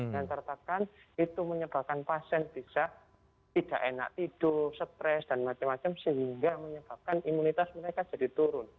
dan tertekan itu menyebabkan pasien bisa tidak enak tidur stres dan macam macam sehingga menyebabkan imunitas mereka jadi turun